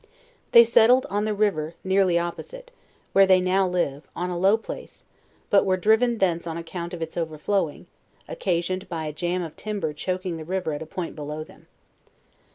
They settled on the river nearly opposite, where they now live, on a low place, but were driven thence on account of its overflowing, occasioned by a jam of timber choking the river at a point below them.